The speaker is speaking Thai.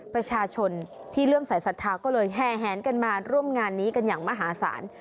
ประชาชนที่เริ่มสายศรัทธาก็เลยแห่แหนกันมาร่วมงานนี้กันอย่างมหาศาล